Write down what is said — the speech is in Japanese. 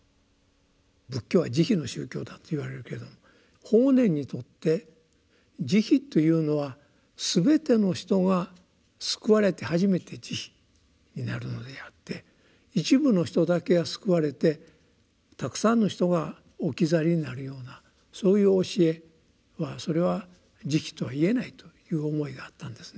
仏教は慈悲の宗教だと言われるけれど法然にとって慈悲というのは全ての人が救われて初めて慈悲になるのであって一部の人だけが救われてたくさんの人が置き去りになるようなそういう教えはそれは慈悲とはいえないという思いがあったんですね。